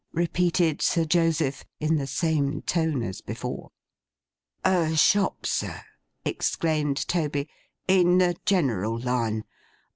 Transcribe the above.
repeated Sir Joseph, in the same tone as before. 'A shop, sir,' exclaimed Toby, 'in the general line.